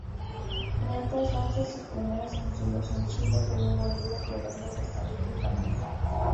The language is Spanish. Mientras, lanza sus primeros sencillos en Chile, Perú, Bolivia, Colombia, Costa Rica y Panamá.